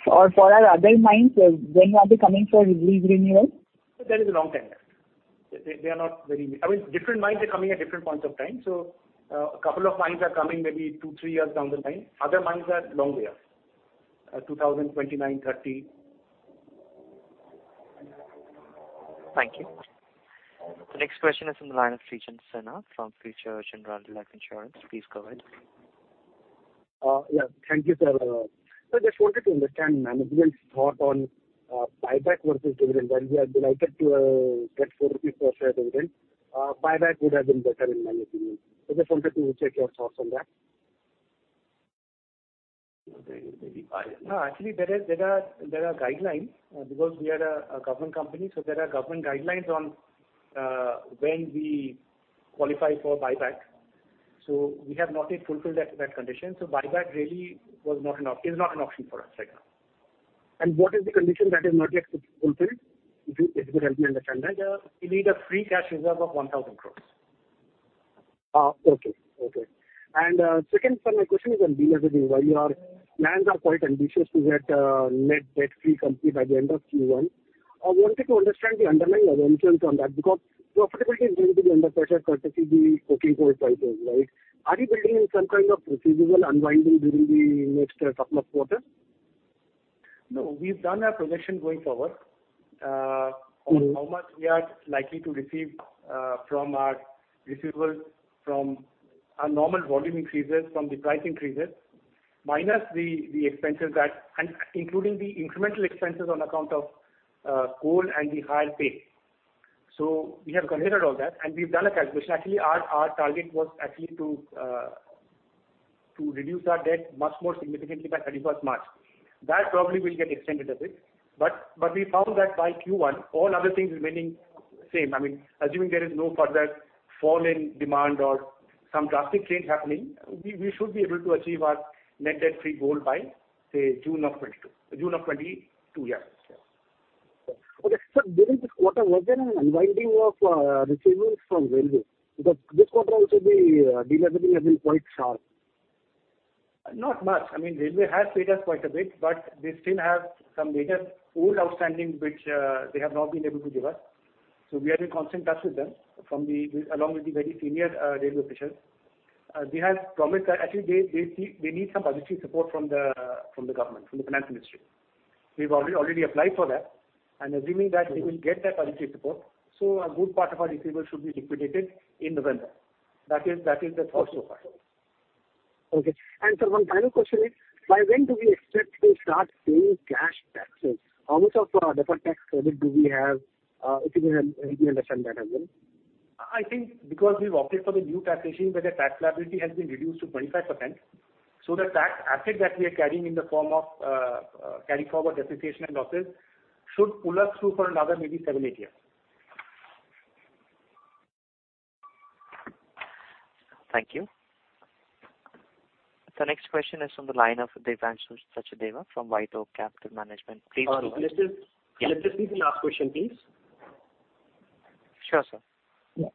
For our other mines, when will they be coming for lease renewal? There is a long time left. They are not very. I mean, different mines are coming at different points of time. A couple of mines are coming maybe 2-3 years down the line. Other mines are long way off, 2029-30. Thank you. The next question is from the line of Srijan Sinha from Future Generali Life Insurance. Please go ahead. Yeah. Thank you, sir. I just wanted to understand management's thought on buyback versus dividend. While we are delighted to get 4 rupees per share dividend, buyback would have been better in my opinion. I just wanted to check your thoughts on that. No, actually there are guidelines because we are a government company, so there are government guidelines on when we qualify for buyback. We have not yet fulfilled that condition. Buyback really is not an option for us right now. What is the condition that is not yet fulfilled? If you could help me understand that. You need a free cash reserve of 1,000 crores. Okay. Second, sir, my question is on de-leveraging. While your plans are quite ambitious to get a net debt free company by the end of Q1, I wanted to understand the underlying assumptions on that because profitability is going to be under pressure courtesy the coking coal prices, right? Are you building in some kind of receivable unwinding during the next couple of quarters? No, we've done our projection going forward. On how much we are likely to receive from our receivables from our normal volume increases, from the price increases, minus the expenses, and including the incremental expenses on account of coal and the higher pay. We have considered all that and we've done a calculation. Actually, our target was actually to reduce our debt much more significantly by 31st March. That probably will get extended a bit. We found that by Q1, all other things remaining same, I mean, assuming there is no further fall in demand or some drastic change happening, we should be able to achieve our net debt-free goal by, say, June of 2022. June of 2022, yeah. Okay. Sir, during this quarter, was there an unwinding of receivables from Indian Railways? Because this quarter also the de-leveraging has been quite sharp. Not much. I mean, Indian Railways has paid us quite a bit, but they still have some major old outstanding which they have not been able to give us. So we are in constant touch with them along with the very senior Indian Railways officials. They have promised that. Actually, they need some budgetary support from the government, from the Finance Ministry. We've already applied for that. Assuming that they will get that budgetary support, so a good part of our receivable should be liquidated in November. That is the thought so far. Okay. Sir, one final question is, by when do we expect to start paying cash taxes? How much of deferred tax credit do we have? If you can help me understand that as well. I think because we've opted for the new taxation where the tax liability has been reduced to 25%, so the tax asset that we are carrying in the form of carry forward depreciation and losses should pull us through for another maybe 7-8 years. Thank you. The next question is from the line of Devansh Sachdeva from White Oak Capital Management. Please go ahead. Let this be the last question, please. Sure, sir. Yeah.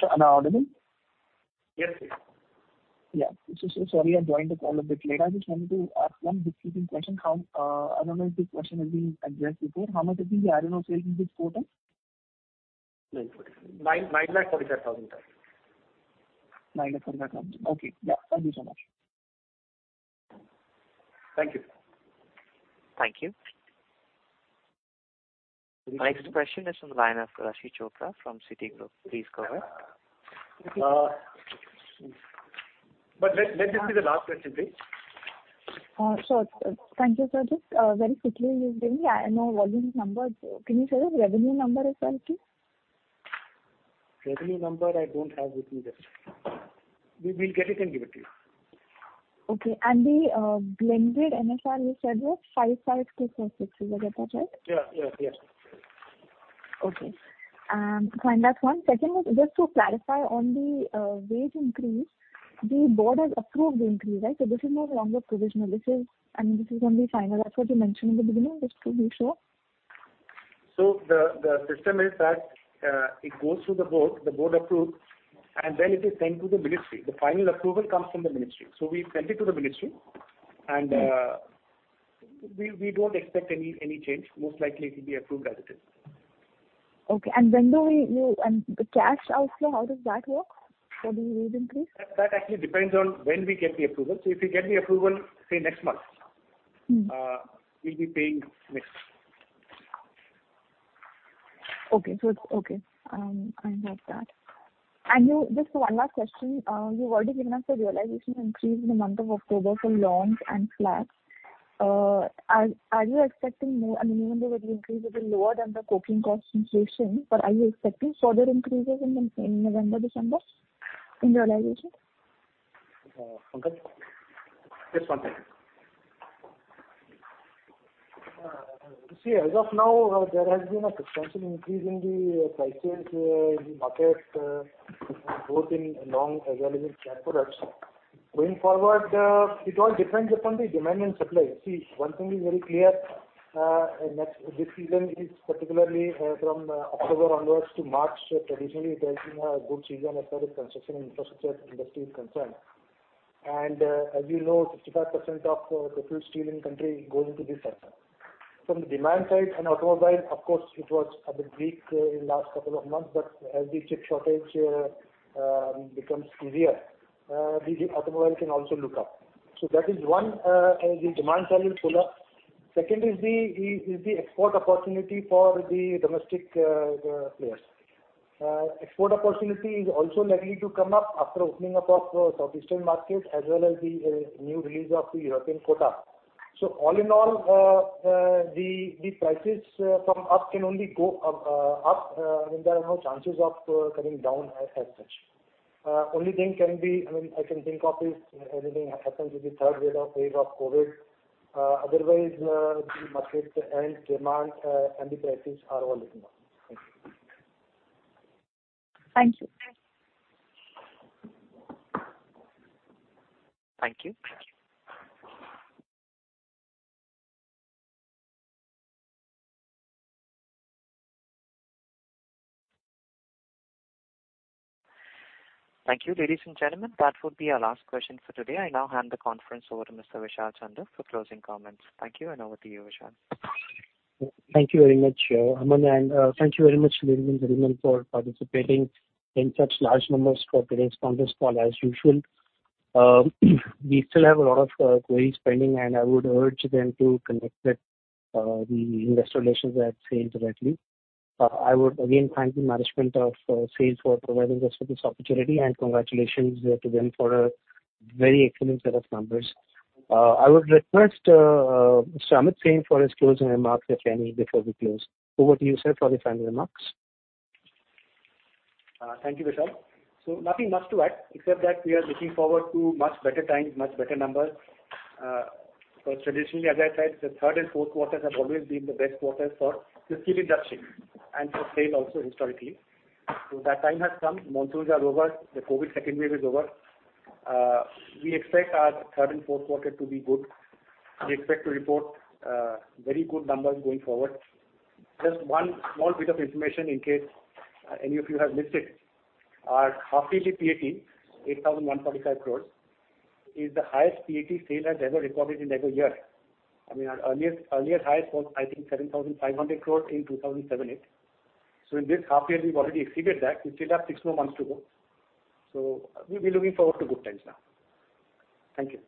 Sir, am I audible? Yes, yes. Yeah. Sorry, I joined the call a bit late. I just wanted to ask one specific question. I don't know if this question has been addressed before. How much has been the iron ore sales in this quarter? 940. 944,000 tons. INR 944,000. Okay. Yeah. Thank you so much. Thank you. Thank you. Next question is from the line of Raashi Chopra from Citigroup. Please go ahead. Let this be the last question, please. Sure. Thank you, sir. Just, very quickly you gave the iron ore volumes number. Can you share the revenue number as well, please? Revenue number I don't have with me right now. We'll get it and give it to you. Okay. The blended NSR you said was 55-66. Did I get that right? Yeah. Yeah. Yeah. Okay. Fine. That's one. Second was just to clarify on the wage increase. The board has approved the increase, right? This is no longer provisional. This is, I mean, this is only final. That's what you mentioned in the beginning. Just to be sure. The system is that it goes to the board, the board approves, and then it is sent to the ministry. The final approval comes from the ministry. We've sent it to the ministry. We don't expect any change. Most likely it will be approved as it is. Okay. When do you and the cash outflow, how does that work for the raise in price? That actually depends on when we get the approval. If we get the approval, say, next month- Mm. We'll be paying next. Okay. It's okay. I note that. Just one last question. You've already given us a realization increase in the month of October for longs and flats. Are you expecting more? I mean, even though the increase is lower than the coking cost inflation, but are you expecting further increases in November, December in realization? Pankaj. Yes, Pankaj. You see, as of now, there has been a substantial increase in the prices in the market, both in long as well as in flat products. Going forward, it all depends upon the demand and supply. See, one thing is very clear, in that this season is particularly from October onwards to March, traditionally it has been a good season as far as construction infrastructure industry is concerned. As you know, 65% of produced steel in country goes into this sector. From the demand side and automobile, of course, it was a bit weak in last couple of months, but as the chip shortage becomes easier, the automobile can also look up. That is one area demand side will pull up. Second is the export opportunity for the domestic players. Export opportunity is also likely to come up after opening up of the southeastern market as well as the new release of the European quota. All in all, the prices from us can only go up. I mean, there are no chances of coming down as such. I mean, the only thing I can think of is if anything happens with the third wave of COVID. Otherwise, the market and demand and the prices are all looking up. Thank you. Thank you. Thank you. Thank you, ladies and gentlemen. That would be our last question for today. I now hand the conference over to Mr. Vishal Chandak for closing comments. Thank you, and over to you, Vishal. Thank you very much, Aman. Thank you very much, ladies and gentlemen, for participating in such large numbers for today's conference call as usual. We still have a lot of queries pending, and I would urge them to connect with the investor relations at SAIL directly. I would again thank the management of SAIL for providing us with this opportunity and congratulations to them for a very excellent set of numbers. I would request Mr. Amit Kumar Singh for his closing remarks, if any, before we close. Over to you, sir, for the final remarks. Thank you, Vishal. Nothing much to add except that we are looking forward to much better times, much better numbers. Traditionally, as I said, the third and fourth quarters have always been the best quarters for the steel industry and for SAIL also historically. That time has come. Monsoons are over, the COVID second wave is over. We expect our third and fourth quarter to be good. We expect to report very good numbers going forward. Just one small bit of information in case any of you have missed it. Our half yearly PAT, 8,145 crore, is the highest PAT SAIL has ever recorded in any year. I mean, our earliest high was I think 7,500 crore in 2007/08. In this half year we've already exceeded that. We still have six more months to go. We'll be looking forward to good times now. Thank you.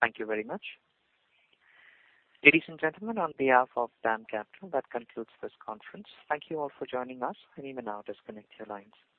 Thank you very much. Ladies and gentlemen, on behalf of DAM Capital, that concludes this conference. Thank you all for joining us. You may now disconnect your lines.